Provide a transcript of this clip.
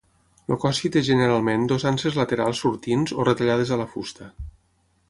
El cossi té generalment dues anses laterals sortints o retallades a la fusta.